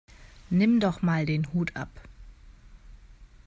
Nimm doch mal den Hut ab!